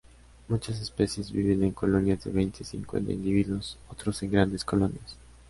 Muchas especies viven en colonias de veinte a cincuenta individuos, otros en grandes colonias.